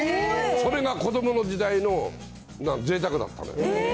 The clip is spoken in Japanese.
それが子どもの時代のぜいたくだったの。